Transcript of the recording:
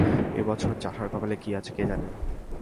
এ বছর চাষার কপালে কী আছে কে জানে।